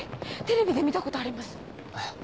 テレビで見たことあります。